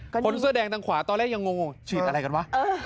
คนเสื้อแดงทางขวาตอนแรกยังงงฉีดอะไรกันวะ